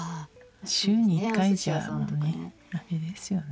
週に１回じゃほんとに駄目ですよね。